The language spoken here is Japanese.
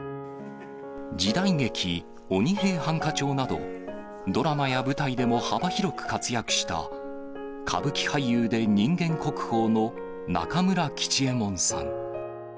時代劇、鬼平犯科帳など、ドラマや舞台でも幅広く活躍した、歌舞伎俳優で人間国宝の中村吉右衛門さん。